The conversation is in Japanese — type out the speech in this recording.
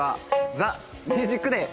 『ＴＨＥＭＵＳＩＣＤＡＹ